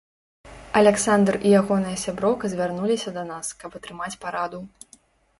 Аляксандр і ягоная сяброўка звярнуліся да нас, каб атрымаць параду.